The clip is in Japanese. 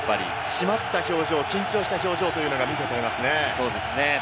締まった表情、緊張した表情が見て取れますね。